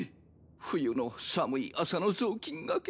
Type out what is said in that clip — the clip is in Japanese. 冬の寒い朝の雑巾がけ。